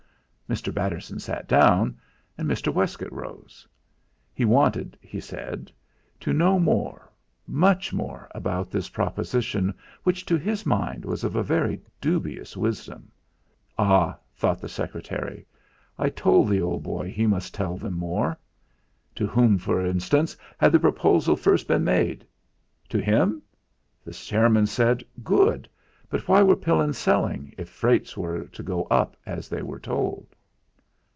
Mr. Batterson sat down. And Mr. Westgate rose: He wanted he said to know more, much more, about this proposition, which to his mind was of a very dubious wisdom.... 'Ah!' thought the secretary, 'I told the old boy he must tell them more'.... To whom, for instance, had the proposal first been made? To him! the chairman said. Good! But why were Pillins selling, if freights were to go up, as they were told?